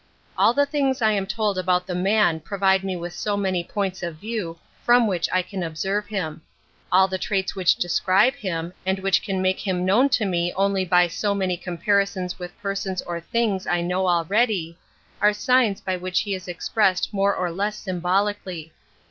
All the things I am told about the man provide me with so many points of view from which I can observe him. All the traits which describe him. and which can make him known to me only by so many comparisons with persons or things I know already, are siRns by which he is expressed more or less symbolically.